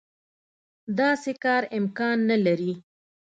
داسې کار امکان نه لري.